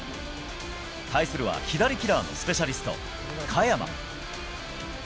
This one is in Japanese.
対するは左キラーのスペシャリスト、嘉弥真。